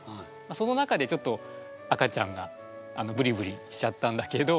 その中でちょっと赤ちゃんがブリブリしちゃったんだけど